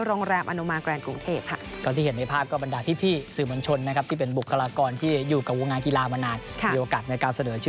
และจะพิจารณากันอีกครั้ง